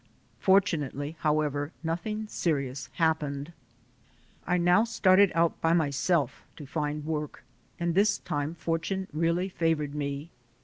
For tunately, however, nothing serious happened. I now started out by myself to find work, and this time fortune really favored me.